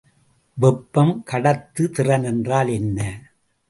வெப்பங் கடத்துதிறன் என்றால் என்ன?